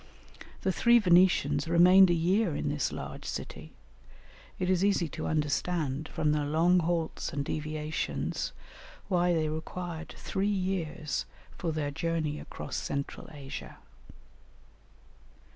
The three Venetians remained a year in this large city; it is easy to understand, from their long halts and deviations, why they required three years for their journey across Central Asia.